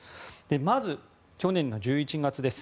まず去年１１月です。